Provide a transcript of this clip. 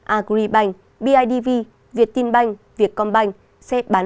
agribank bidv việt tin bank việt com bank setbank